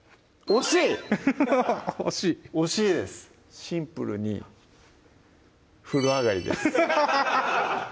惜しいですシンプルに風呂上がりです